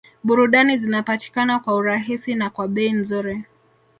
Burudani zinapatikana kwa urahisi na kwa bei nzuri